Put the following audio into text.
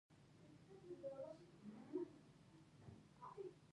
ابولهب هم د اسلام دښمن و.